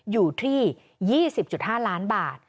อยู่ที่๒๐๕ล้านบาท